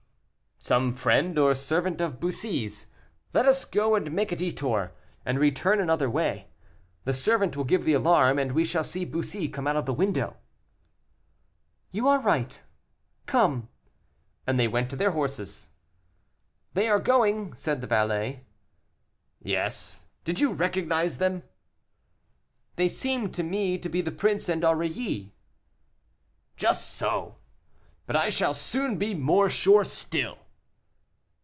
"Some friend or servant of Bussy's. Let us go and make a detour, and return another way. The servant will give the alarm, and we shall see Bussy come out of the window." "You are right; come;" and they went to their horses. "They are going," said the valet. "Yes. Did you recognize them?" "They seemed to me to be the prince and Aurilly." "Just so. But I shall soon be more sure still."